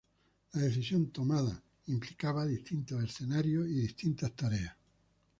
La decisión tomada implicaba distintos escenarios y distintas tareas.